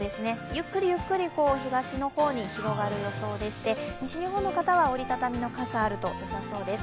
ゆっくりゆっくり東の方に広がる予想でして西日本の方は折りたたみの傘があると良さそうです。